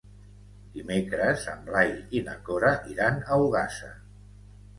Dimecres en Blai i na Cora iran a Ogassa.